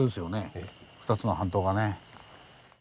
２つの半島がね。